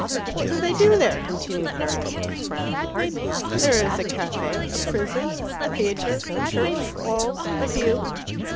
"What do they do there?" continued Harriet, with a frown. "There is a caffe. A prison. A theatre. A church. Walls. A view."